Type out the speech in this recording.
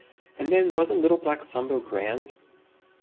And then wasn't Little Black Sambo grand?